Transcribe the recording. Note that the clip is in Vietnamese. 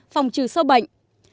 phòng trừ sâu bệnh